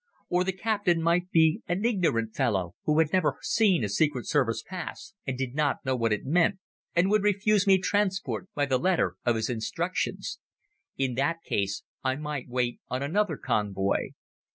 Or the captain might be an ignorant fellow who had never seen a Secret Service pass and did not know what it meant, and would refuse me transport by the letter of his instructions. In that case I might wait on another convoy.